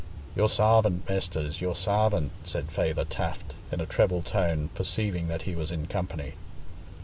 "Your sarvant, mesters, your sarvant," said Feyther Taft in a treble tone, perceiving that he was in company.